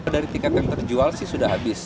dari tiket yang terjual sih sudah habis